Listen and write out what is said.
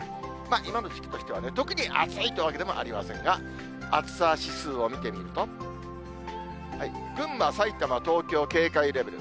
今の時期としては特に暑いというわけでもありませんが、暑さ指数を見てみると、群馬、埼玉、東京、警戒レベル。